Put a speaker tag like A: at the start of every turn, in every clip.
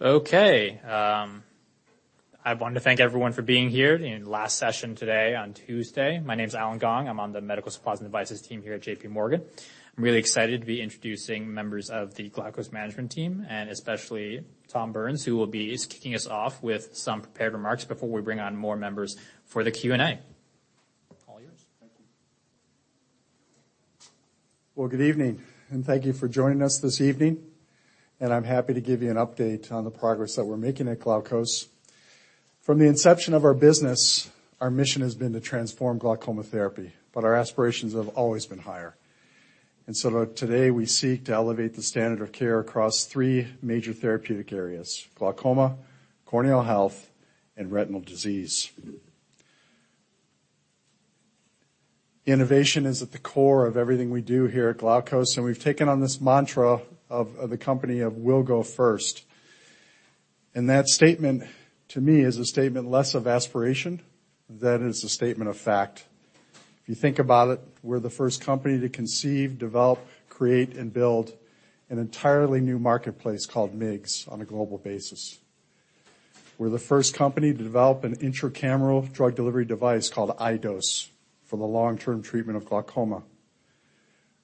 A: Okay. I want to thank everyone for being here in last session today on Tuesday. My name is Allen Gong. I'm on the medical supplies and devices team here at J.P. Morgan. I'm really excited to be introducing members of the Glaukos management team, especially Tom Burns, who is kicking us off with some prepared remarks before we bring on more members for the Q&A. All yours.
B: Thank you. Well, good evening, and thank you for joining us this evening. I'm happy to give you an update on the progress that we're making at Glaukos. From the inception of our business, our mission has been to transform glaucoma therapy, but our aspirations have always been higher. Today, we seek to elevate the standard of care across three major therapeutic areas: glaucoma, corneal health, and retinal disease. Innovation is at the core of everything we do here at Glaukos, and we've taken on this mantra of the company of we'll go first. That statement, to me, is a statement less of aspiration than it is a statement of fact. If you think about it, we're the first company to conceive, develop, create, and build an entirely new marketplace called MIGS on a global basis. We're the first company to develop an intracameral drug delivery device called iDose for the long-term treatment of glaucoma.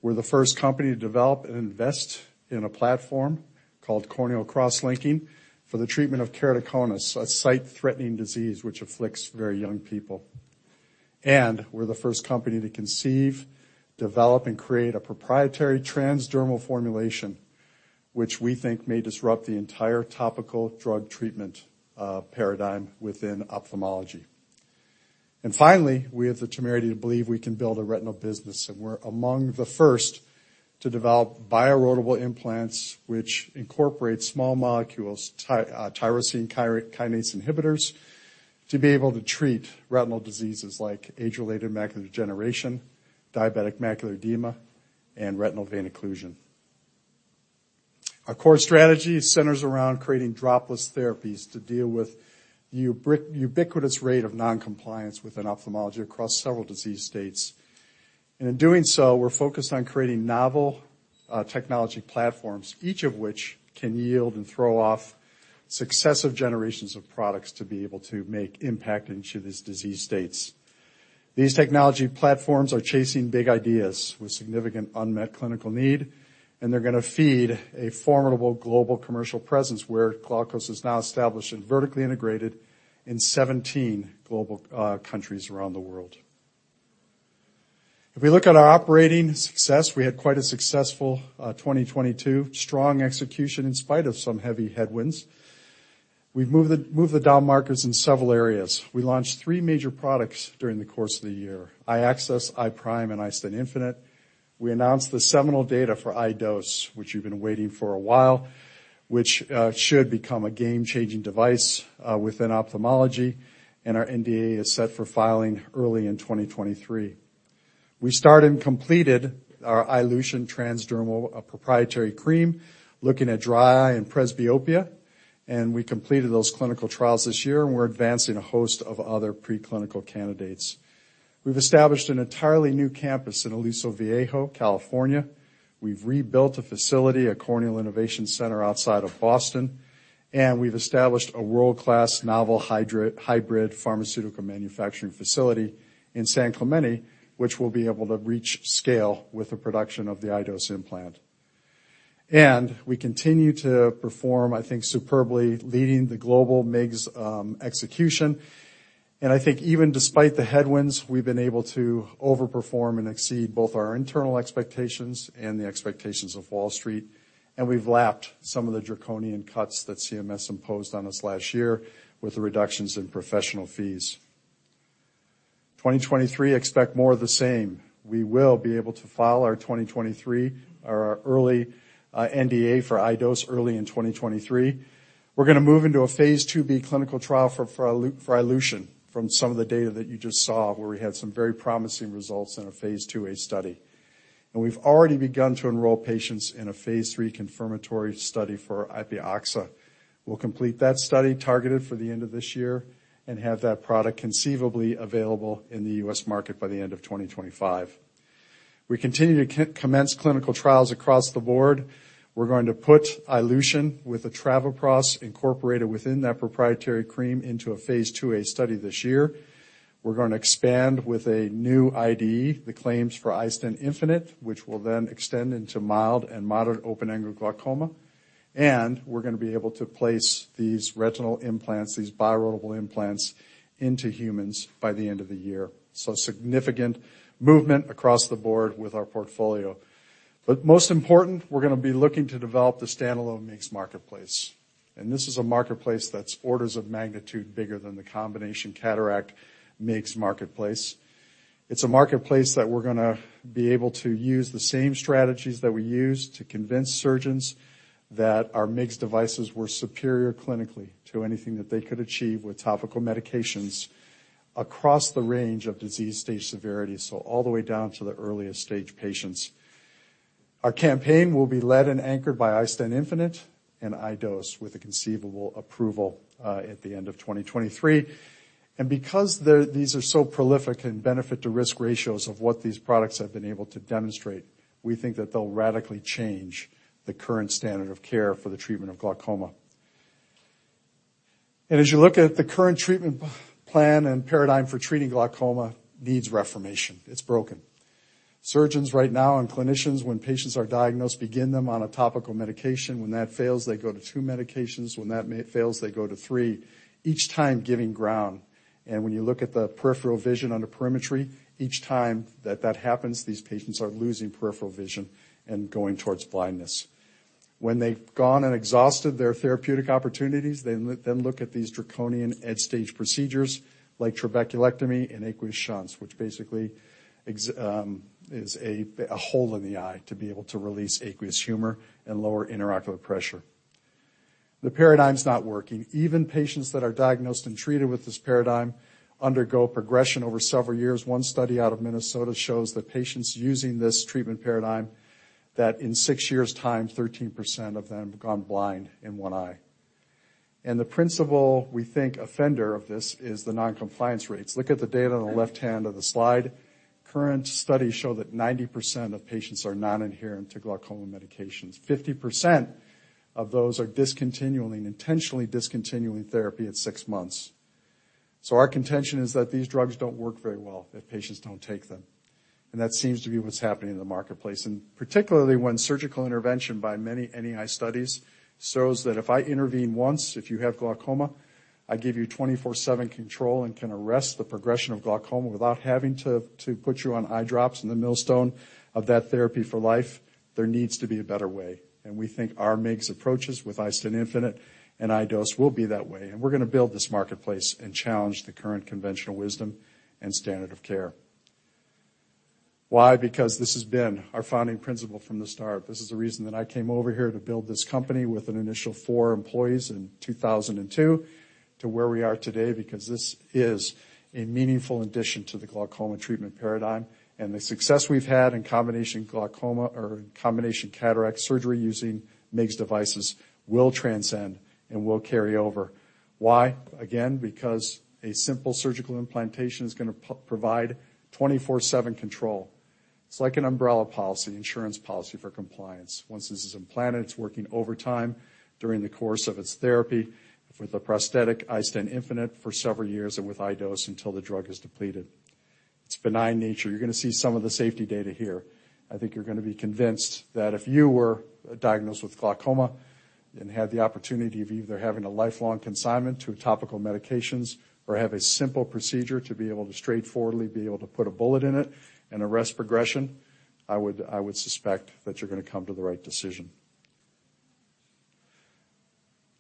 B: We're the first company to develop and invest in a platform called corneal cross-linking for the treatment of keratoconus, a sight-threatening disease which afflicts very young people. We're the first company to conceive, develop, and create a proprietary transdermal formulation, which we think may disrupt the entire topical drug treatment paradigm within ophthalmology. Finally, we have the temerity to believe we can build a retinal business, and we're among the first to develop bioerodible implants which incorporate small molecules, tyrosine kinase inhibitors, to be able to treat retinal diseases like age-related macular degeneration, diabetic macular edema, and retinal vein occlusion. Our core strategy centers around creating dropless therapies to deal with ubiquitous rate of non-compliance within ophthalmology across several disease states. In doing so, we're focused on creating novel technology platforms, each of which can yield and throw off successive generations of products to be able to make impact into these disease states. These technology platforms are chasing big ideas with significant unmet clinical need, and they're gonna feed a formidable global commercial presence where Glaukos is now established and vertically integrated in 17 global countries around the world. We look at our operating success, we had quite a successful 2022. Strong execution in spite of some heavy headwinds. We've moved the dial markers in several areas. We launched three major products during the course of the year: iAccess, iPRIME, and iStent infinite. We announced the seminal data for iDose, which you've been waiting for a while, which should become a game-changing device within ophthalmology, and our NDA is set for filing early in 2023. We started and completed our iLution transdermal, a proprietary cream, looking at dry eye and presbyopia, and we completed those clinical trials this year, and we're advancing a host of other preclinical candidates. We've established an entirely new campus in Aliso Viejo, California. We've rebuilt a facility, a corneal innovation center outside of Boston, and we've established a world-class novel hybrid pharmaceutical manufacturing facility in San Clemente, which will be able to reach scale with the production of the iDose implant. We continue to perform, I think, superbly, leading the global MIGS execution. I think even despite the headwinds, we've been able to overperform and exceed both our internal expectations and the expectations of Wall Street, and we've lapped some of the draconian cuts that CMS imposed on us last year with the reductions in professional fees. 2023, expect more of the same. We will be able to file our 2023 or our early NDA for iDose early in 2023. We're gonna move into a phase II-B clinical trial for iLution from some of the data that you just saw where we had some very promising results in a phase II-A study. We've already begun to enroll patients in a phase III confirmatory study for Epioxa. We'll complete that study targeted for the end of this year and have that product conceivably available in the U.S. market by the end of 2025. We continue to commence clinical trials across the board. We're gonna put iLution with the travoprost incorporated within that proprietary cream into a phase II-A study this year. We're gonna expand with a new IDE, the claims for iStent infinite, which will then extend into mild and moderate open-angle glaucoma. We're gonna be able to place these retinal implants, these bioerodible implants into humans by the end of the year. Significant movement across the board with our portfolio. Most important, we're gonna be looking to develop the standalone MIGS marketplace. This is a marketplace that's orders of magnitude bigger than the combination cataract MIGS marketplace. It's a marketplace that we're gonna be able to use the same strategies that we used to convince surgeons that our MIGS devices were superior clinically to anything that they could achieve with topical medications across the range of disease stage severity. All the way down to the earliest stage patients. Our campaign will be led and anchored by iStent infinite and iDose with a conceivable approval at the end of 2023. Because these are so prolific in benefit to risk ratios of what these products have been able to demonstrate, we think that they'll radically change the current standard of care for the treatment of glaucoma. As you look at the current treatment plan and paradigm for treating glaucoma needs reformation, it's broken. Surgeons right now and clinicians, when patients are diagnosed, begin them on a topical medication. When that fails, they go to two medications. When that fails, they go to three, each time giving ground. When you look at the peripheral vision on the perimetry, each time that happens, these patients are losing peripheral vision and going towards blindness. When they've gone and exhausted their therapeutic opportunities, they look at these draconian ad stage procedures like trabeculectomy and aqueous shunts, which basically is a hole in the eye to be able to release aqueous humor and lower intraocular pressure. The paradigm's not working. Even patients that are diagnosed and treated with this paradigm undergo progression over several years. One study out of Minnesota shows that patients using this treatment paradigm, that in six years' time, 13% of them have gone blind in one eye. The principal, we think, offender of this is the non-compliance rates. Look at the data on the left hand of the slide. Current studies show that 90% of patients are non-adherent to glaucoma medications. 50% of those are discontinuing, intentionally discontinuing therapy at six months. Our contention is that these drugs don't work very well if patients don't take them, and that seems to be what's happening in the marketplace. Particularly when surgical intervention by many NEI studies shows that if I intervene once, if you have glaucoma, I give you 24/7 control and can arrest the progression of glaucoma without having to put you on eye drops and the millstone of that therapy for life, there needs to be a better way. We think our MIGS approaches with iStent infinite and iDose will be that way. We're gonna build this marketplace and challenge the current conventional wisdom and standard of care. Why? This has been our founding principle from the start. This is the reason that I came over here to build this company with an initial four employees in 2002 to where we are today, because this is a meaningful addition to the glaucoma treatment paradigm. The success we've had in combination glaucoma or in combination cataract surgery using MIGS devices will transcend and will carry over. Why? Again, because a simple surgical implantation is gonna provide 24/7 control. It's like an umbrella policy, insurance policy for compliance. Once this is implanted, it's working overtime during the course of its therapy with a prosthetic iStent infinite for several years and with iDose until the drug is depleted. It's benign nature. You're gonna see some of the safety data here. I think you're gonna be convinced that if you were diagnosed with glaucoma and had the opportunity of either having a lifelong consignment to topical medications or have a simple procedure to be able to straightforwardly be able to put a bullet in it and arrest progression, I would, I would suspect that you're gonna come to the right decision.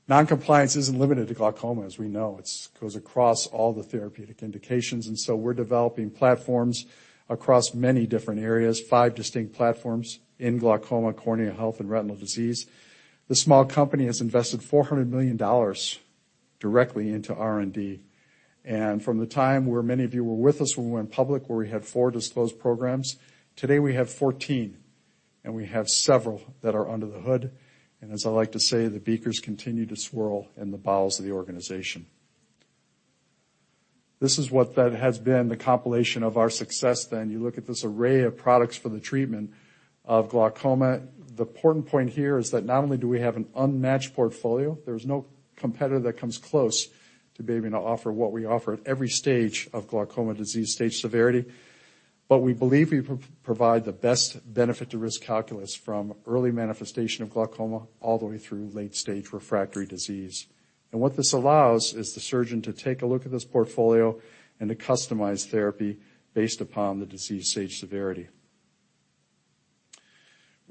B: Non-compliance isn't limited to glaucoma as we know. It goes across all the therapeutic indications. We're developing platforms across many different areas, five distinct platforms in glaucoma, cornea health, and retinal disease. The small company has invested $400 million directly into R&D. From the time where many of you were with us when we went public, where we had four disclosed programs, today we have 14, and we have several that are under the hood. As I like to say, the beakers continue to swirl in the bowels of the organization. This is what that has been the compilation of our success then. You look at this array of products for the treatment of glaucoma. The important point here is that not only do we have an unmatched portfolio, there's no competitor that comes close to being able to offer what we offer at every stage of glaucoma disease stage severity. We believe we provide the best benefit to risk calculus from early manifestation of glaucoma all the way through late stage refractory disease. What this allows is the surgeon to take a look at this portfolio and to customize therapy based upon the disease stage severity.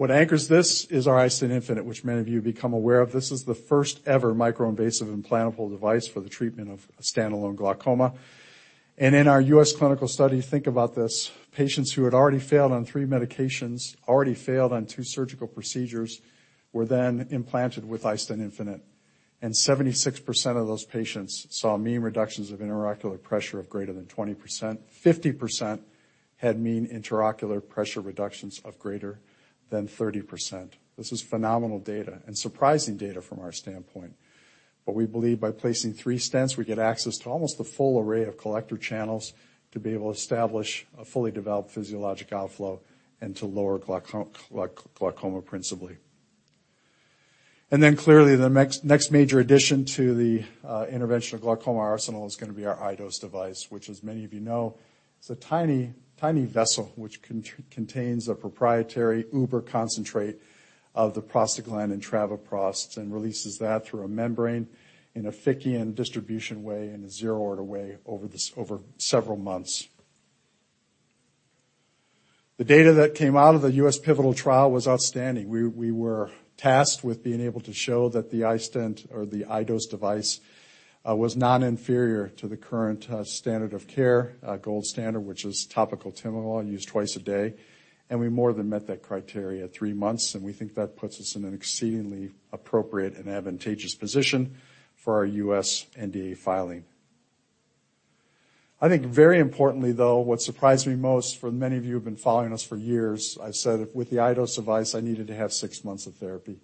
B: What anchors this is our iStent infinite, which many of you become aware of. This is the first ever micro-invasive implantable device for the treatment of standalone glaucoma. In our U.S. clinical study, think about this. Patients who had already failed on three medications, already failed on two surgical procedures, were then implanted with iStent infinite, and 76% of those patients saw mean reductions of intraocular pressure of greater than 20%. 50% had mean intraocular pressure reductions of greater than 30%. This is phenomenal data and surprising data from our standpoint. We believe by placing three stents, we get access to almost the full array of collector channels to be able to establish a fully developed physiologic outflow and to lower glaucoma principally. Clearly, the next major addition to the interventional glaucoma arsenal is gonna be our iDose device, which as many of you know, is a tiny vessel which contains a proprietary uber concentrate of the prostaglandin travoprost and releases that through a membrane in a Fickian distribution way, in a zero-order way over several months. The data that came out of the U.S. pivotal trial was outstanding. We were tasked with being able to show that the iStent or the iDose device was non-inferior to the current standard of care, gold standard, which is topical timolol used twice a day. We more than met that criteria at three months, and we think that puts us in an exceedingly appropriate and advantageous position for our U.S. NDA filing. I think very importantly, though, what surprised me most, for many of you who've been following us for years, I've said with the iDose device, I needed to have six months of therapy.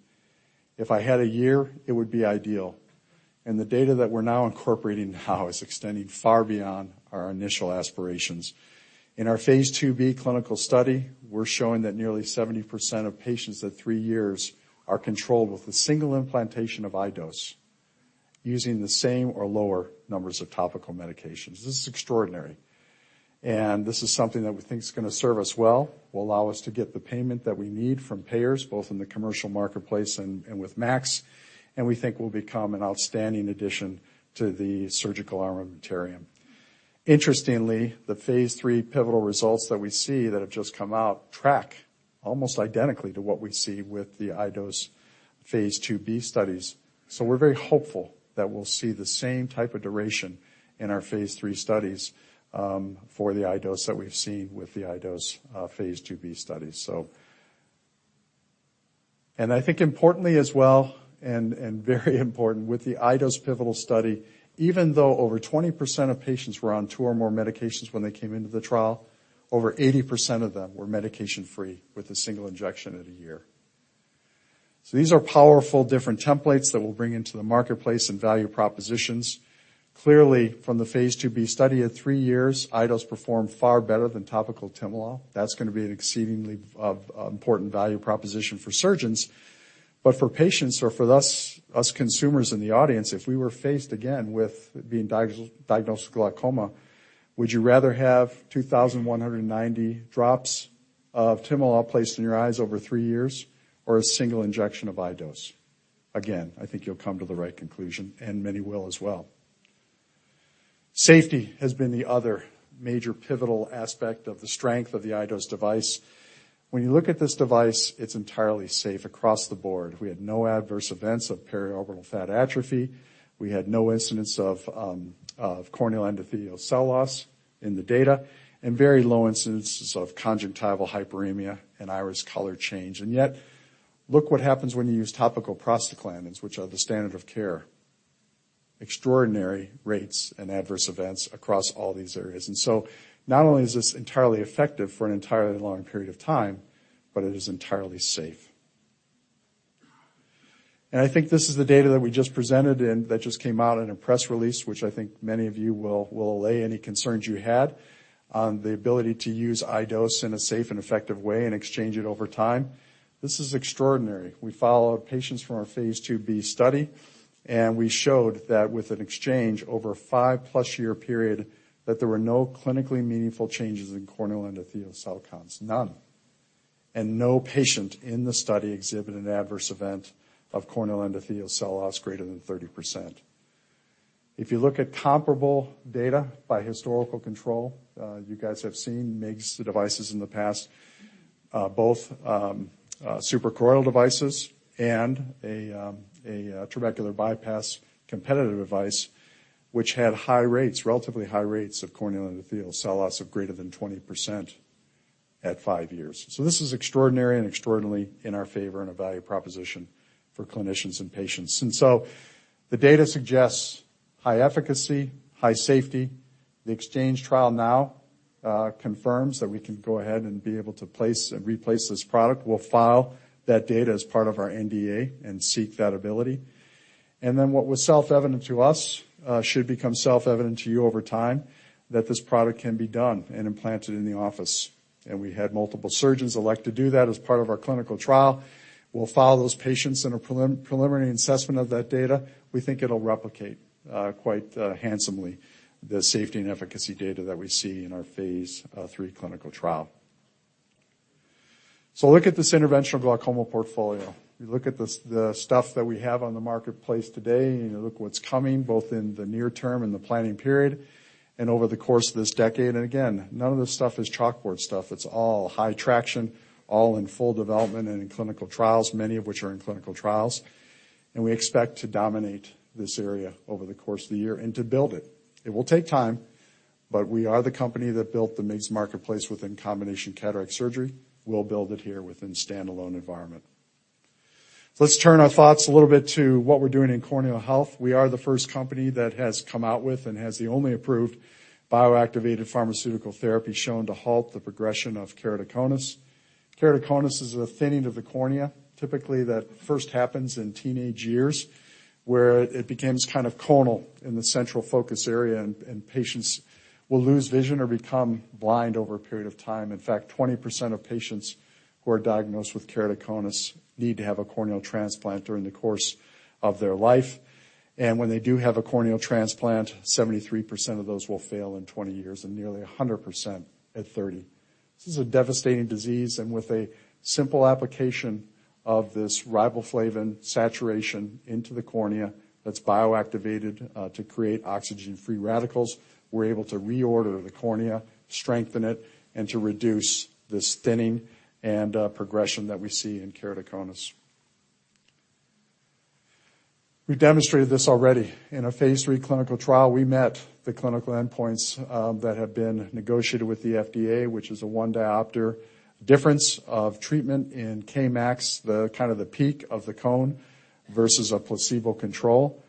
B: If I had a year, it would be ideal. The data that we're now incorporating now is extending far beyond our initial aspirations. In our Phase IIb clinical study, we're showing that nearly 70% of patients at three years are controlled with a single implantation of iDose using the same or lower numbers of topical medications. This is extraordinary, and this is something that we think is going to serve us well, will allow us to get the payment that we need from payers, both in the commercial marketplace and with MACs, and we think will become an outstanding addition to the surgical armamentarium. Interestingly, the phase III pivotal results that we see that have just come out track almost identically to what we see with the iDose phase II-B studies. We're very hopeful that we'll see the same type of duration in our phase III studies for the iDose that we've seen with the iDose phase II-B studies. I think importantly as well and very important with the iDose pivotal study, even though over 20% of patients were on two or more medications when they came into the trial, over 80% of them were medication-free with a single injection at a year. These are powerful different templates that we'll bring into the marketplace and value propositions. Clearly, from the phase II-B study at three years, iDose performed far better than topical timolol. That's going to be an exceedingly important value proposition for surgeons. For patients or for us consumers in the audience, if we were faced again with being diagnosed with glaucoma, would you rather have 2,190 drops of timolol placed in your eyes over three years or a single injection of iDose? I think you'll come to the right conclusion, and many will as well. Safety has been the other major pivotal aspect of the strength of the iDose device. When you look at this device, it's entirely safe across the board. We had no adverse events of periorbital fat atrophy. We had no incidents of corneal endothelial cell loss in the data and very low instances of conjunctival hyperemia and iris color change. Yet, look what happens when you use topical prostaglandins, which are the standard of care. Extraordinary rates and adverse events across all these areas. So not only is this entirely effective for an entirely long period of time, but it is entirely safe. I think this is the data that we just presented and that just came out in a press release, which I think many of you will allay any concerns you had on the ability to use iDose in a safe and effective way and exchange it over time. This is extraordinary. We followed patients from our phase II-B study, and we showed that with an exchange over a five-plus year period that there were no clinically meaningful changes in corneal endothelial cell counts. None. No patient in the study exhibited an adverse event of corneal endothelial cell loss greater than 30%. If you look at comparable data by historical control, you guys have seen MIGS devices in the past, both suprachoroidal devices and a trabecular bypass competitive device, which had high rates, relatively high rates of corneal endothelial cell loss of greater than 20% at five years. This is extraordinary and extraordinarily in our favor and a value proposition for clinicians and patients. The data suggests high efficacy, high safety. The exchange trial now confirms that we can go ahead and be able to place and replace this product. We'll file that data as part of our NDA and seek that ability. Then what was self-evident to us should become self-evident to you over time, that this product can be done and implanted in the office. We had multiple surgeons elect to do that as part of our clinical trial. We'll follow those patients in a preliminary assessment of that data. We think it'll replicate quite handsomely the safety and efficacy data that we see in our phase III clinical trial. Look at this interventional glaucoma portfolio. You look at the stuff that we have on the marketplace today, and you look what's coming both in the near term and the planning period and over the course of this decade. Again, none of this stuff is chalkboard stuff. It's all high traction, all in full development and in clinical trials, many of which are in clinical trials. We expect to dominate this area over the course of the year and to build it. It will take time, but we are the company that built the MIGS marketplace within combination cataract surgery. We'll build it here within standalone environment. Let's turn our thoughts a little bit to what we're doing in corneal health. We are the first company that has come out with and has the only approved bioactivated pharmaceutical therapy shown to halt the progression of keratoconus. Keratoconus is a thinning of the cornea. Typically, that first happens in teenage years, where it becomes kind of conal in the central focus area, and patients will lose vision or become blind over a period of time. In fact, 20% of patients who are diagnosed with keratoconus need to have a corneal transplant during the course of their life. When they do have a corneal transplant, 73% of those will fail in 20 years and nearly 100% at 30. This is a devastating disease. With a simple application of this riboflavin saturation into the cornea that's bioactivated to create oxygen-free radicals, we're able to reorder the cornea, strengthen it, and to reduce this thinning and progression that we see in keratoconus. We demonstrated this already. In a phase III clinical trial, we met the clinical endpoints that have been negotiated with the FDA, which is a 1 diopter difference of treatment in Kmax, the kind of the peak of the cone versus a placebo control.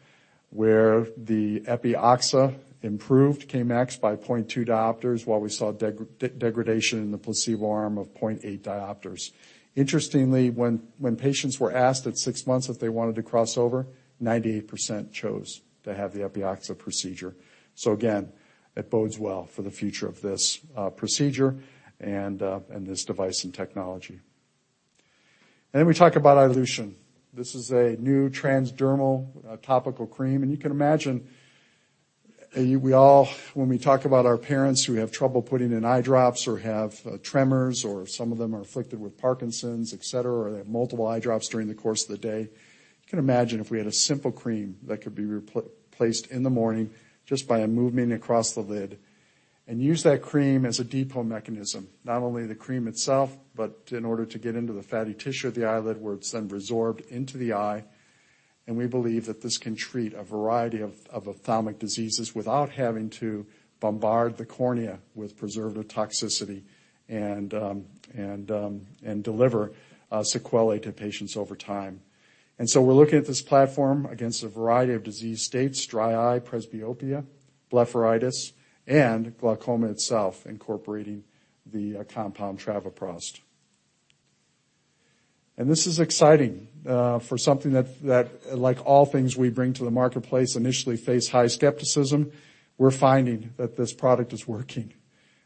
B: Where the Epioxa improved Kmax by 0.2 diopters, while we saw degradation in the placebo arm of 0.8 diopters. Interestingly, when patients were asked at six months if they wanted to cross over, 98% chose to have the Epioxa procedure. Again, it bodes well for the future of this procedure and this device and technology. We talk about iLution. This is a new transdermal topical cream, and you can imagine, we all when we talk about our parents who have trouble putting in eye drops or have tremors, or some of them are afflicted with Parkinson's, et cetera, or they have multiple eye drops during the course of the day. You can imagine if we had a simple cream that could be placed in the morning just by a movement across the lid and use that cream as a depot mechanism. Not only the cream itself, but in order to get into the fatty tissue of the eyelid, where it's then resorbed into the eye, We believe that this can treat a variety of ophthalmic diseases without having to bombard the cornea with preservative toxicity and deliver sequelae to patients over time. We're looking at this platform against a variety of disease states, dry eye, presbyopia, blepharitis, and glaucoma itself, incorporating the compound travoprost. This is exciting for something that like all things we bring to the marketplace initially face high skepticism. We're finding that this product is working.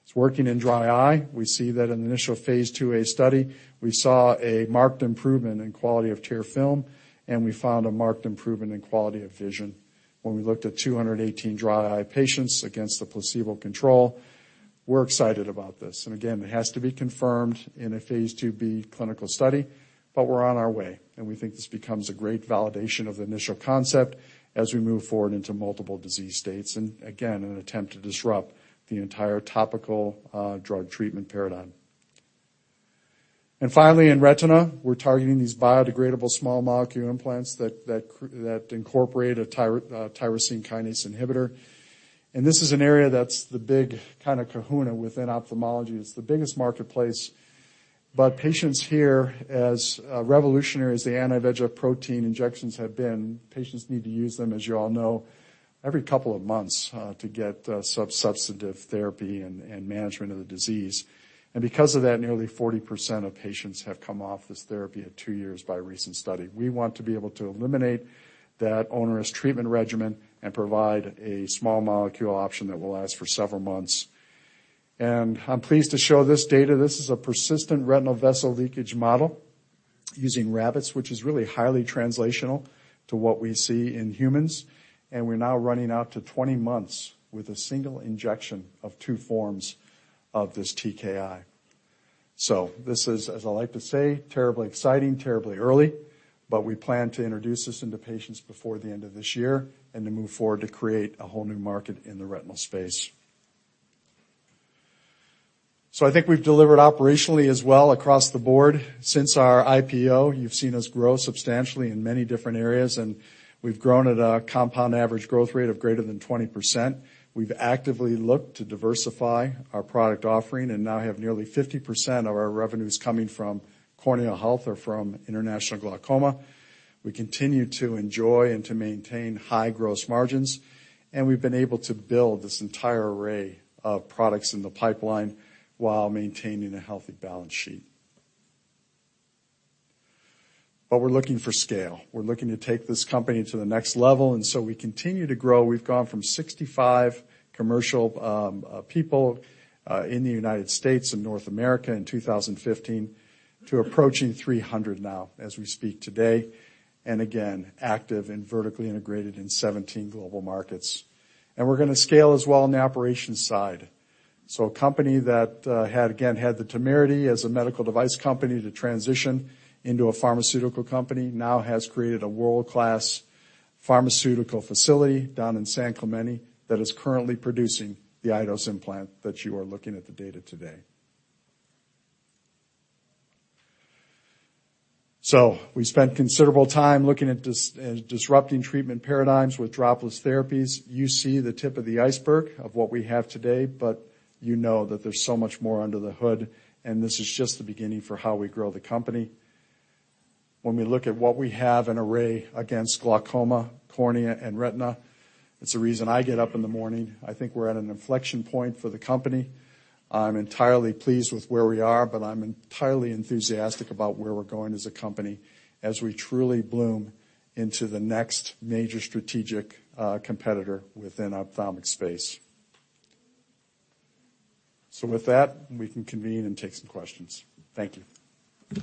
B: It's working in dry eye. We see that in the initial phase II study, we saw a marked improvement in quality of tear film, and we found a marked improvement in quality of vision when we looked at 218 dry eye patients against the placebo control. We're excited about this. Again, it has to be confirmed in a phase II-B clinical study, but we're on our way, and we think this becomes a great validation of the initial concept as we move forward into multiple disease states, and again, in an attempt to disrupt the entire topical drug treatment paradigm. Finally, in retina, we're targeting these biodegradable small molecule implants that incorporate a tyrosine kinase inhibitor. This is an area that's the big kind of kahuna within ophthalmology. It's the biggest marketplace, but patients here as revolutionary as the anti-VEGF protein injections have been, patients need to use them, as you all know, every couple of months to get substantive therapy and management of the disease. Because of that, nearly 40% of patients have come off this therapy at two years by a recent study. We want to be able to eliminate that onerous treatment regimen and provide a small molecule option that will last for several months. I'm pleased to show this data. This is a persistent retinal vessel leakage model using rabbits, which is really highly translational to what we see in humans. We're now running out to 20 months with a single injection of two forms of this TKI. This is, as I like to say, terribly exciting, terribly early, but we plan to introduce this into patients before the end of this year and to move forward to create a whole new market in the retinal space. I think we've delivered operationally as well across the board. Since our IPO, you've seen us grow substantially in many different areas, and we've grown at a compound average growth rate of greater than 20%. We've actively looked to diversify our product offering and now have nearly 50% of our revenues coming from corneal health or from international glaucoma. We continue to enjoy and to maintain high gross margins, and we've been able to build this entire array of products in the pipeline while maintaining a healthy balance sheet. We're looking for scale. We're looking to take this company to the next level. We continue to grow. We've gone from 65 commercial people in the United States and North America in 2015 to approaching 300 now as we speak today. Active and vertically integrated in 17 global markets. We're gonna scale as well on the operations side. A company that had the temerity as a medical device company to transition into a pharmaceutical company now has created a world-class pharmaceutical facility down in San Clemente that is currently producing the iDose implant that you are looking at the data today. We spent considerable time looking at disrupting treatment paradigms with dropless therapies. You see the tip of the iceberg of what we have today, but you know that there's so much more under the hood, and this is just the beginning for how we grow the company. When we look at what we have in array against glaucoma, cornea, and retina, it's the reason I get up in the morning. I think we're at an inflection point for the company. I'm entirely pleased with where we are, but I'm entirely enthusiastic about where we're going as a company as we truly bloom into the next major strategic competitor within ophthalmic space. With that, we can convene and take some questions. Thank you.
A: Okay.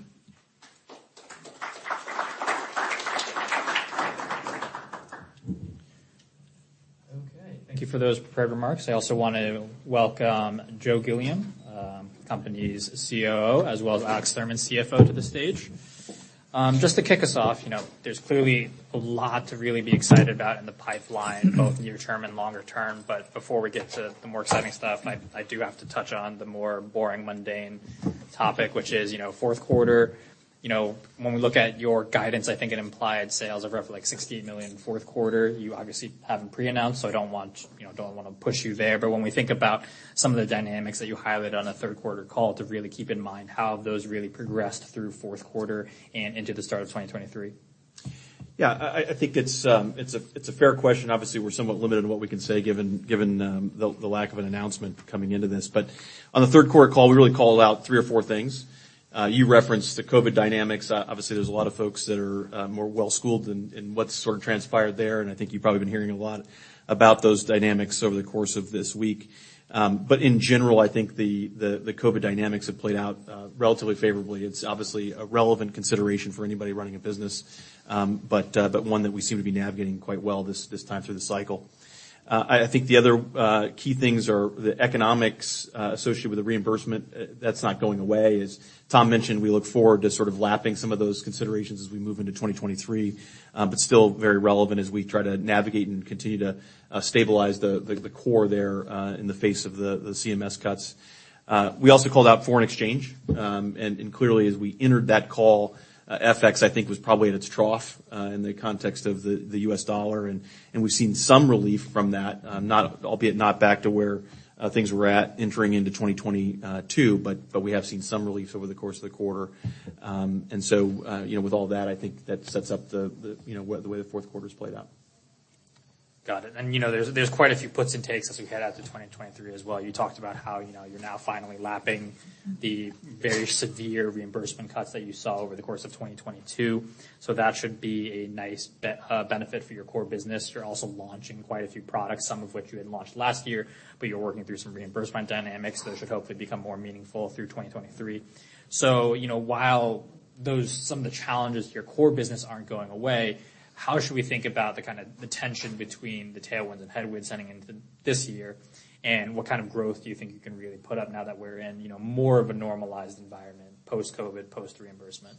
A: Thank you for those prepared remarks. I also want to welcome Joe Gilliam, company's COO, as well as Alex Thurman, CFO, to the stage. Just to kick us off, you know, there's clearly a lot to really be excited about in the pipeline, both near term and longer term. Before we get to the more exciting stuff, I do have to touch on the more boring, mundane topic, which is, you know, fourth quarter. You know, when we look at your guidance, I think it implied sales of roughly like $68 million fourth quarter. You obviously haven't pre-announced, I don't wanna push you there. When we think about some of the dynamics that you highlighted on the third quarter call to really keep in mind how those really progressed through fourth quarter and into the start of 2023.
C: Yeah. I think it's a fair question. Obviously, we're somewhat limited in what we can say given the lack of an announcement coming into this. On the third quarter call, we really called out three or four things. You referenced the COVID dynamics. Obviously, there's a lot of folks that are more well-schooled in what sort of transpired there, and I think you've probably been hearing a lot about those dynamics over the course of this week. In general, I think the COVID dynamics have played out relatively favorably. It's obviously a relevant consideration for anybody running a business, one that we seem to be navigating quite well this time through the cycle. I think the other key things are the economics associated with the reimbursement. That's not going away. As Tom mentioned, we look forward to sort of lapping some of those considerations as we move into 2023. Still very relevant as we try to navigate and continue to stabilize the core there in the face of the CMS cuts. We also called out foreign exchange. Clearly, as we entered that call, FX, I think, was probably at its trough in the context of the U.S. dollar, and we've seen some relief from that, albeit not back to where things were at entering into 2022. We have seen some relief over the course of the quarter. You know, with all that, I think that sets up the, you know, the way the fourth quarter's played out.
A: Got it. You know, there's quite a few puts and takes as we head out to 2023 as well. You talked about how, you know, you're now finally lapping the very severe reimbursement cuts that you saw over the course of 2022, so that should be a nice benefit for your core business. You're also launching quite a few products, some of which you had launched last year, but you're working through some reimbursement dynamics that should hopefully become more meaningful through 2023. You know, while some of the challenges to your core business aren't going away, how should we think about the kind of the tension between the tailwinds and headwinds heading into this year, and what kind of growth do you think you can really put up now that we're in, you know, more of a normalized environment, post-COVID, post-reimbursement?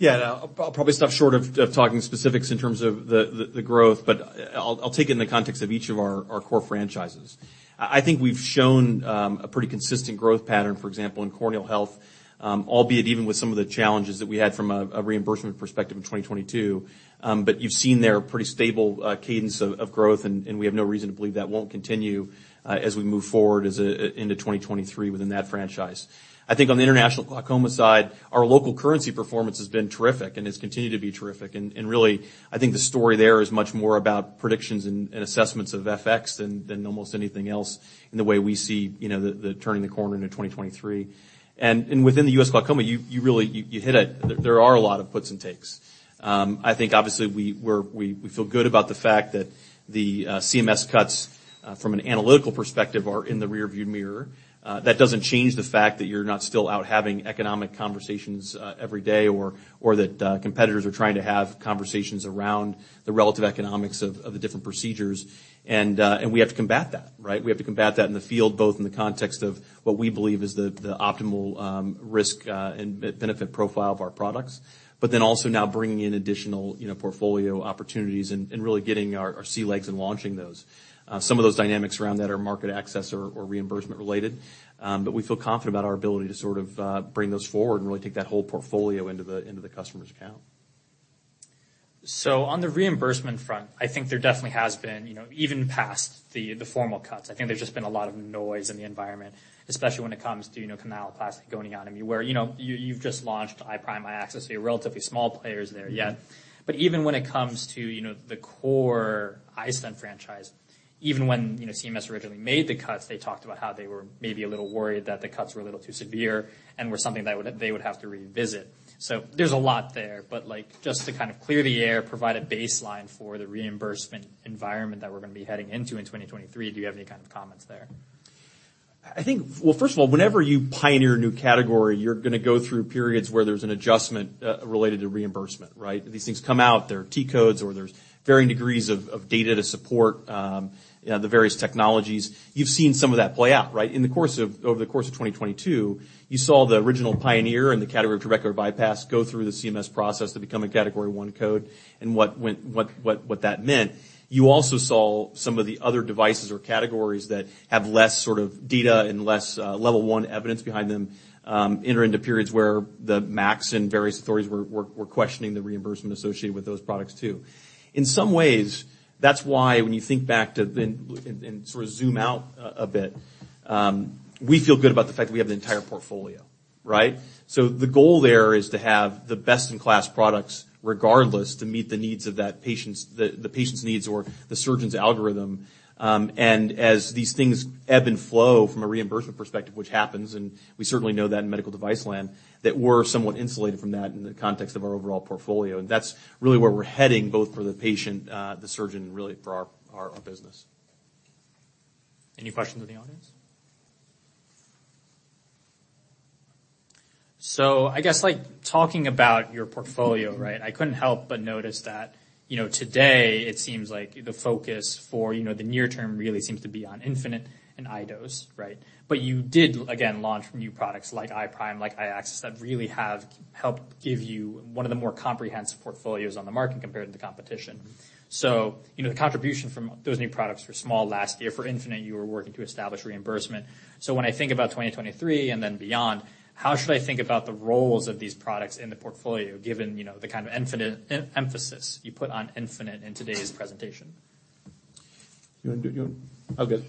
C: Yeah. I'll probably stop short of talking specifics in terms of the growth, but I'll take it in the context of each of our core franchises. I think we've shown a pretty consistent growth pattern, for example, in corneal health, albeit even with some of the challenges that we had from a reimbursement perspective in 2022. You've seen there a pretty stable cadence of growth, and we have no reason to believe that won't continue as we move forward into 2023 within that franchise. I think on the international glaucoma side, our local currency performance has been terrific and has continued to be terrific. Really, I think the story there is much more about predictions and assessments of FX than almost anything else in the way we see the turning the corner into 2023. Within the U.S. glaucoma, you really hit it. There are a lot of puts and takes. I think, obviously, we feel good about the fact that the CMS cuts from an analytical perspective are in the rearview mirror. That doesn't change the fact that you're not still out having economic conversations every day or that competitors are trying to have conversations around the relative economics of the different procedures. We have to combat that, right? We have to combat that in the field, both in the context of what we believe is the optimal risk and benefit profile of our products, also now bringing in additional, you know, portfolio opportunities and really getting our sea legs and launching those. Some of those dynamics around that are market access or reimbursement related, but we feel confident about our ability to sort of bring those forward and really take that whole portfolio into the customer's account.
A: On the reimbursement front, I think there definitely has been, you know, even past the formal cuts, I think there's just been a lot of noise in the environment, especially when it comes to, you know, canaloplasty, goniotomy, where, you know, you've just launched iPrime, iAccess, so you're relatively small players there yet. Even when it comes to, you know, the core iStent franchise, even when, you know, CMS originally made the cuts, they talked about how they were maybe a little worried that the cuts were a little too severe and were something that they would have to revisit. There's a lot there, but, like, just to kind of clear the air, provide a baseline for the reimbursement environment that we're gonna be heading into in 2023, do you have any kind of comments there?
C: Well, first of all, whenever you pioneer a new category, you're gonna go through periods where there's an adjustment related to reimbursement, right? These things come out, there are T-codes or there's varying degrees of data to support the various technologies. You've seen some of that play out, right? Over the course of 2022, you saw the original pioneer in the category of trabecular bypass go through the CMS process to become a Category I code, and what that meant. You also saw some of the other devices or categories that have less sort of data and less Level I evidence behind them enter into periods where the MACs and various authorities were questioning the reimbursement associated with those products too. In some ways, that's why when you think back to then, and sort of zoom out a bit, we feel good about the fact that we have the entire portfolio, right? The goal there is to have the best-in-class products regardless to meet the needs of the patient's needs or the surgeon's algorithm. As these things ebb and flow from a reimbursement perspective, which happens, and we certainly know that in medical device land, that we're somewhat insulated from that in the context of our overall portfolio. That's really where we're heading, both for the patient, the surgeon, and really for our business.
A: Any questions from the audience? I guess, like, talking about your portfolio, right? I couldn't help but notice that, you know, today it seems like the focus for, you know, the near term really seems to be on Infinite and iDose, right? You did again launch new products like iPrime, like iAccess, that really have helped give you one of the more comprehensive portfolios on the market compared to the competition. You know, the contribution from those new products were small last year. For Infinite, you were working to establish reimbursement. When I think about 2023 and then beyond, how should I think about the roles of these products in the portfolio, given, you know, the kind of emphasis you put on Infinite in today's presentation?
C: Oh, good.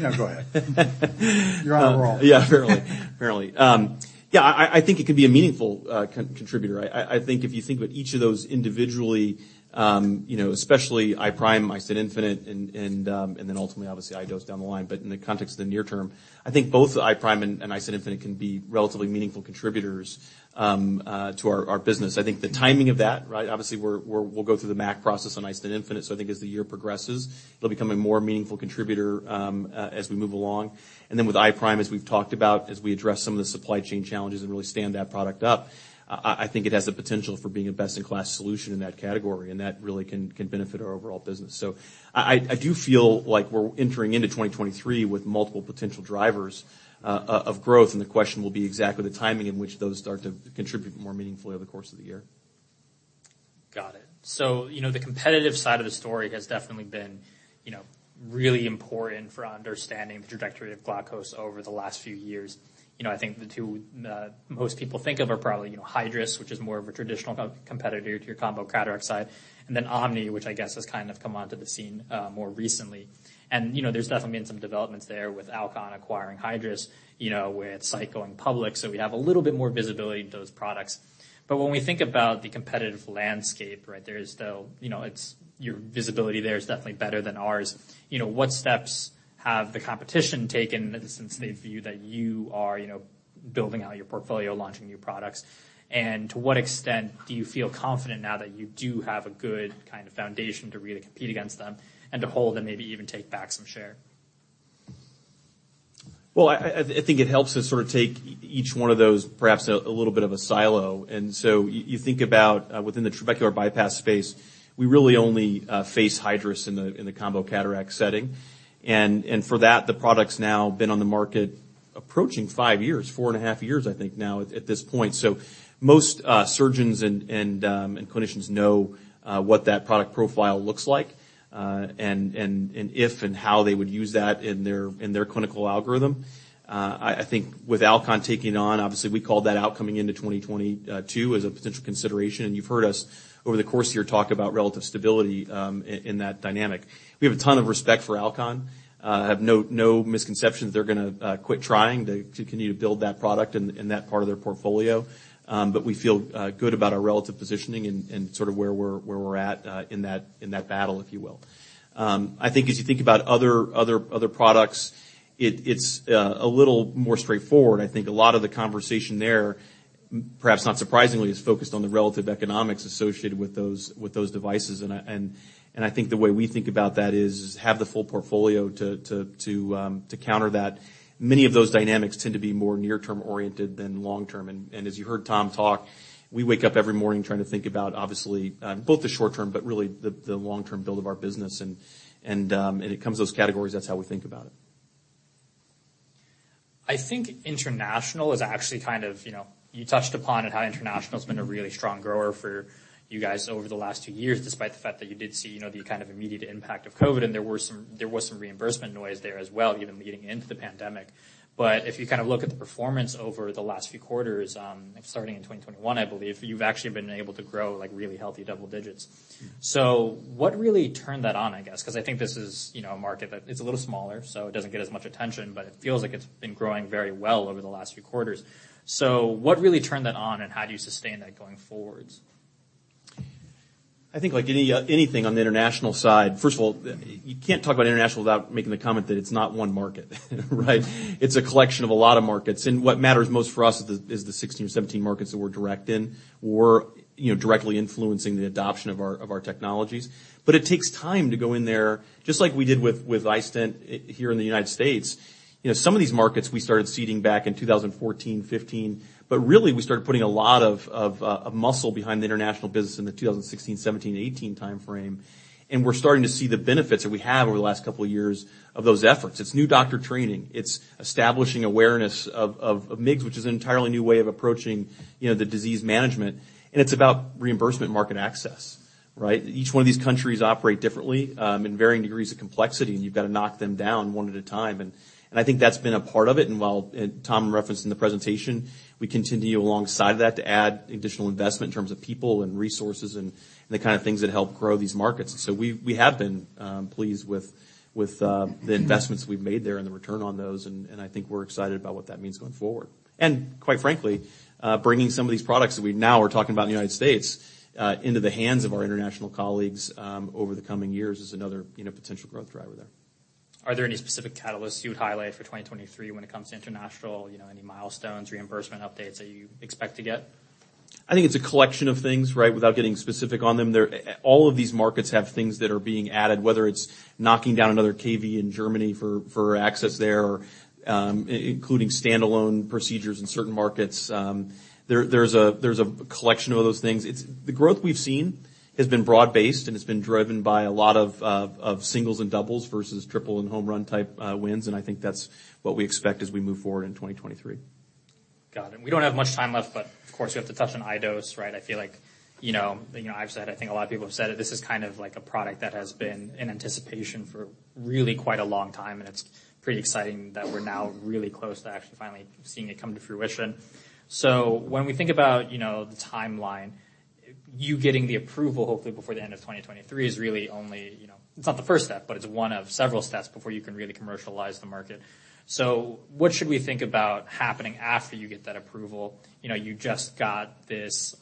A: No, go ahead. You're on a roll.
C: Yeah, apparently. Yeah, I think it could be a meaningful contributor. I think if you think about each of those individually, you know, especially iPrime, iStent infinite, and then ultimately, obviously iDose down the line. In the context of the near term, I think both iPrime and iStent infinite can be relatively meaningful contributors to our business. I think the timing of that, right, obviously we're we'll go through the MAC process on iStent infinite, so I think as the year progresses, it'll become a more meaningful contributor as we move along. With iPrime, as we've talked about, as we address some of the supply chain challenges and really stand that product up, I think it has the potential for being a best-in-class solution in that category, and that really can benefit our overall business. I do feel like we're entering into 2023 with multiple potential drivers of growth, and the question will be exactly the timing in which those start to contribute more meaningfully over the course of the year.
A: Got it. You know, the competitive side of the story has definitely been, you know, really important for understanding the trajectory of Glaukos over the last few years. You know, I think the two most people think of are probably, you know, Hydrus, which is more of a traditional competitor to your combo cataract side, and then OMNI, which I guess has kind of come onto the scene more recently. You know, there's definitely been some developments there with Alcon acquiring Hydrus, you know, with Sight Sciences and public, so we have a little bit more visibility to those products. When we think about the competitive landscape, right? There is still, you know, Your visibility there is definitely better than ours. You know, what steps have the competition taken since they view that you are, you know, building out your portfolio, launching new products? To what extent do you feel confident now that you do have a good kind of foundation to really compete against them and to hold and maybe even take back some share?
C: I think it helps to sort of take each one of those perhaps a little bit of a silo. You think about within the trabecular micro-bypass space, we really only face Hydrus in the combo cataract setting. For that, the product's now been on the market approaching five years, four and a half years, I think now at this point. Most surgeons and clinicians know what that product profile looks like and if and how they would use that in their clinical algorithm. I think with Alcon taking on, obviously we called that out coming into 2022 as a potential consideration. You've heard us over the course of the year talk about relative stability in that dynamic. We have a ton of respect for Alcon. Have no misconceptions they're gonna quit trying. They continue to build that product in that part of their portfolio. We feel good about our relative positioning and sort of where we're at in that battle, if you will. I think as you think about other products, it's a little more straightforward. I think a lot of the conversation there, perhaps not surprisingly, is focused on the relative economics associated with those devices. And I think the way we think about that is have the full portfolio to counter that. Many of those dynamics tend to be more near-term oriented than long-term. As you heard Tom talk, we wake up every morning trying to think about obviously, both the short term, but really the long-term build of our business. It comes to those categories, that's how we think about it.
A: I think international is actually kind of, you know, you touched upon it, how international's been a really strong grower for you guys over the last two years, despite the fact that you did see, you know, the kind of immediate impact of COVID, and there was some reimbursement noise there as well, even leading into the pandemic. If you kind of look at the performance over the last few quarters, starting in 2021, I believe, you've actually been able to grow like really healthy double digits.
C: Mm-hmm.
A: What really turned that on, I guess? I think this is, you know, a market that it's a little smaller, so it doesn't get as much attention, but it feels like it's been growing very well over the last few quarters. What really turned that on, and how do you sustain that going forwards?
C: I think like any, anything on the international side, first of all, you can't talk about international without making the comment that it's not one market, right? It's a collection of a lot of markets. What matters most for us is the, is the 16 or 17 markets that we're direct in, or, you know, directly influencing the adoption of our, of our technologies. It takes time to go in there, just like we did with iStent here in the United States. You know, some of these markets we started seeding back in 2014, 2015, but really, we started putting a lot of muscle behind the international business in the 2016, 2017, 2018 timeframe, and we're starting to see the benefits that we have over the last couple of years of those efforts. It's new doctor training. It's establishing awareness of MIGS, which is an entirely new way of approaching, you know, the disease management. It's about reimbursement market access, right? Each one of these countries operate differently, in varying degrees of complexity, and you've got to knock them down one at a time. I think that's been a part of it. While Tom referenced in the presentation, we continue alongside that to add additional investment in terms of people and resources and the kind of things that help grow these markets. We have been pleased with the investments we've made there and the return on those, and I think we're excited about what that means going forward. Quite frankly, bringing some of these products that we now are talking about in the United States, into the hands of our international colleagues, over the coming years is another, you know, potential growth driver there.
A: Are there any specific catalysts you would highlight for 2023 when it comes to international? You know, any milestones, reimbursement updates that you expect to get?
C: I think it's a collection of things, right? Without getting specific on them. They're all of these markets have things that are being added, whether it's knocking down another KV in Germany for access there or including standalone procedures in certain markets. There's a collection of those things. The growth we've seen has been broad-based, and it's been driven by a lot of singles and doubles versus triple and home run type wins, and I think that's what we expect as we move forward in 2023.
A: Got it. We don't have much time left, of course, we have to touch on iDose, right? I feel like, you know, I've said, I think a lot of people have said it, this is kind of like a product that has been in anticipation for really quite a long time, it's pretty exciting that we're now really close to actually finally seeing it come to fruition. When we think about, you know, the timeline, you getting the approval, hopefully before the end of 2023 is really only, you know, it's not the first step, but it's one of several steps before you can really commercialize the market. What should we think about happening after you get that approval? You know, you just got this...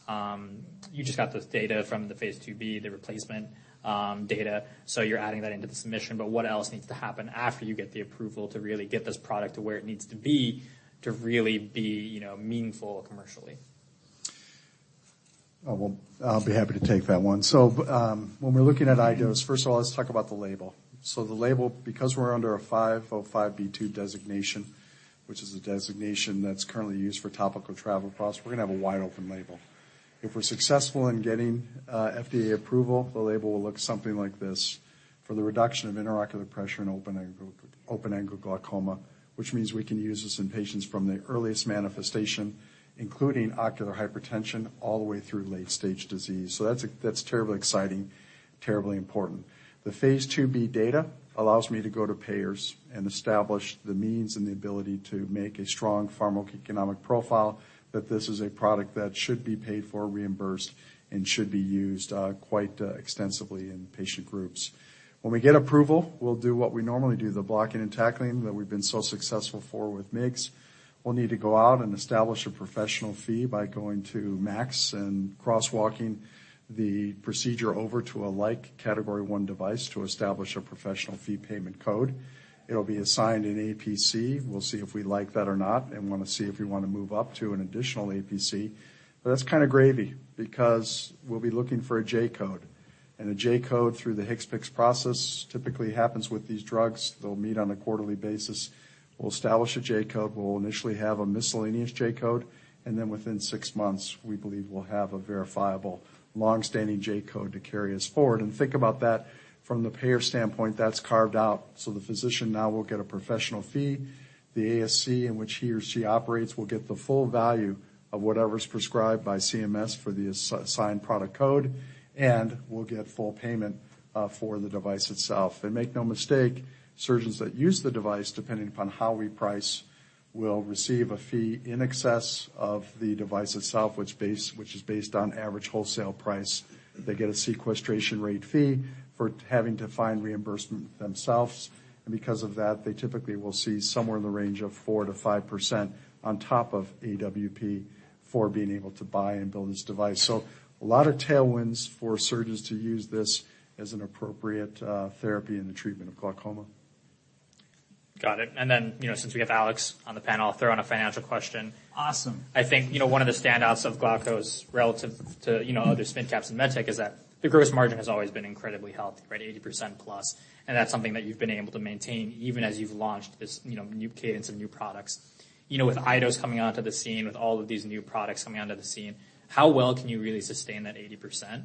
A: You just got this data from the phase II-B, the replacement data, so you're adding that into the submission. What else needs to happen after you get the approval to really get this product to where it needs to be, to really be, you know, meaningful commercially?
B: Well, I'll be happy to take that one. When we're looking at iDose, first of all, let's talk about the label. The label, because we're under a 505(b)(2) designation, which is a designation that's currently used for topical travoprost products, we're gonna have a wide open label. If we're successful in getting FDA approval, the label will look something like this. For the reduction of intraocular pressure in open-angle glaucoma, which means we can use this in patients from the earliest manifestation, including ocular hypertension, all the way through late stage disease. That's terribly exciting, terribly important. The Phase IIb data allows me to go to payers and establish the means and the ability to make a strong pharmacoeconomic profile, that this is a product that should be paid for, reimbursed, and should be used, quite extensively in patient groups. When we get approval, we'll do what we normally do, the blocking and tackling that we've been so successful for with MIGS. We'll need to go out and establish a professional fee by going to MACs and crosswalking the procedure over to a like Category I device to establish a professional fee payment code. It'll be assigned an APC. We'll see if we like that or not, and want to see if we want to move up to an additional APC. That's kind of gravy because we'll be looking for a J-code, and a J-code through the HCPCS process typically happens with these drugs. They'll meet on a quarterly basis. We'll establish a J-code. We'll initially have a miscellaneous J-code, and then within six months, we believe we'll have a verifiable long-standing J-code to carry us forward. Think about that from the payer standpoint. That's carved out, so the physician now will get a professional fee. The ASC in which he or she operates will get the full value of whatever's prescribed by CMS for the assigned product code, and we'll get full payment for the device itself. Make no mistake, surgeons that use the device, depending upon how we price, will receive a fee in excess of the device itself, which is based on average wholesale price. They get a sequestration rate fee for having to find reimbursement themselves. Because of that, they typically will see somewhere in the range of 4%-5% on top of AWP for being able to buy and build this device. A lot of tailwinds for surgeons to use this as an appropriate therapy in the treatment of glaucoma.
A: Got it. Then, you know, since we have Alex on the panel, I'll throw in a financial question.
D: Awesome.
A: I think, you know, one of the standouts of Glaukos relative to, you know, other spin caps in med tech is that the gross margin has always been incredibly healthy, right? 80%+. That's something that you've been able to maintain even as you've launched this, you know, new cadence of new products. You know, with iDose coming onto the scene, with all of these new products coming onto the scene, how well can you really sustain that 80%+?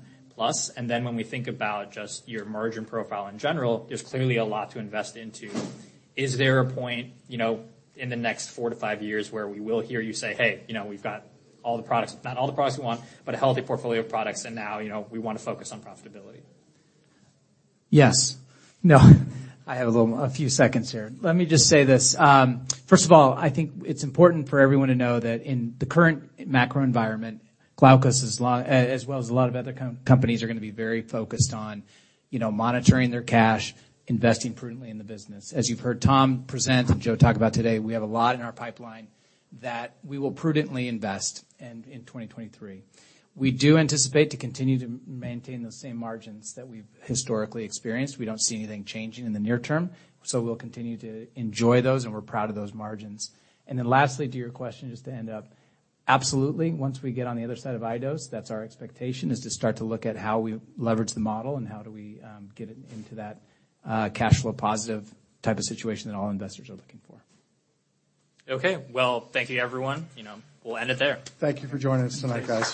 A: Then when we think about just your margin profile in general, there's clearly a lot to invest into. Is there a point, you know, in the next four to five years where we will hear you say, "Hey, you know, we've got all the products... Not all the products we want, but a healthy portfolio of products, and now, you know, we want to focus on profitability?
D: Yes. No, I have a few seconds here. Let me just say this. First of all, I think it's important for everyone to know that in the current macro environment, Glaukos as well as a lot of other companies are gonna be very focused on, you know, monitoring their cash, investing prudently in the business. As you've heard Tom present and Joe talk about today, we have a lot in our pipeline that we will prudently invest in 2023. We do anticipate to continue to maintain those same margins that we've historically experienced. We don't see anything changing in the near term. We'll continue to enjoy those, and we're proud of those margins. Lastly, to your question, just to end up, absolutely, once we get on the other side of iDose, that's our expectation, is to start to look at how we leverage the model and how do we get it into that cash flow positive type of situation that all investors are looking for.
A: Okay. Well, thank you everyone. You know, we'll end it there.
B: Thank you for joining us tonight, guys.